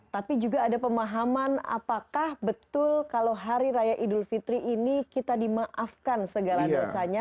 tapi juga ada pemahaman apakah betul kalau hari raya idul fitri ini kita dimaafkan segala dosanya